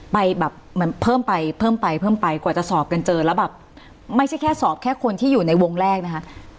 ไปแบบเหมือนเพิ่มไปเพิ่มไปเพิ่มไปกว่าจะสอบกันเจอแล้วแบบไม่ใช่แค่สอบแค่คนที่อยู่ในวงแรกนะคะ